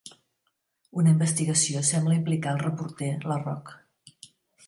Una investigació sembla implicar el reporter, LaRoque.